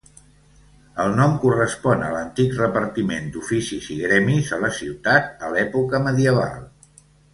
El nom correspon a l'antic repartiment d'oficis i gremis a la ciutat a l'època medieval.